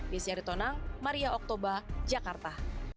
b syaritonang maria oktober jakarta